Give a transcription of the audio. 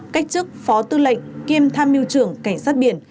cách chức phó tư lệnh kiêm tham mưu trưởng cảnh sát biển